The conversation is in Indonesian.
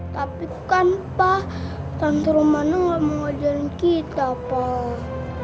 tapi kan pak kantor mana nggak mau ngajarin kita pak